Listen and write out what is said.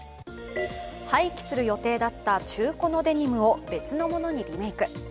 廃棄する予定だった中古のデニムを別のものにリメーク。